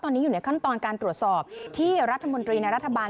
ตอนนี้อยู่ในขั้นตอนการตรวจสอบที่รัฐมนตรีในรัฐบาล